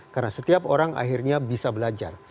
karena setiap orang akhirnya bisa belajar